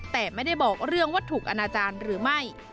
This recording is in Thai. แต่ไม่ได้บอกเรื่องว่าถูกอนาจารย์หรือไม่